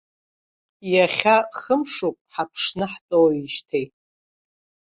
Иахьа хымшуп ҳаԥшны ҳтәоуижьҭеи.